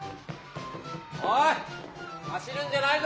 おい走るんじゃないぞ！